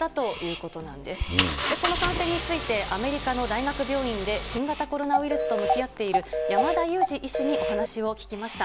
この感染について、アメリカの大学病院で新型コロナウイルスと向き合っている山田悠史医師にお話を聞きました。